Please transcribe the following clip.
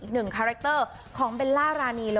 อีกหนึ่งคาแรคเตอร์ของเบลล่ารานี